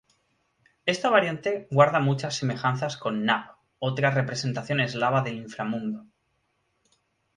Esta variante guarda muchas semejanzas con Nav, otra representación eslava del inframundo.